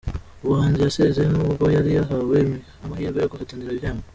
Ubuhanzi yasezeye nubwo yari yahawe amahirwe yo guhatanira ibihembo